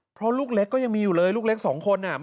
เพราะลูกเล็กก็ยังมีอยู่เลยลูกเล็กสองคนอ่ะ